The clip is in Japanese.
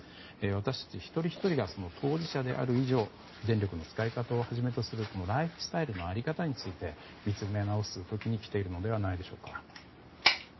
私たち一人ひとりが当事者である以上電力の使い方をはじめとするライフスタイルの在り方について見つめなおす時に来ているのではないでしょうか。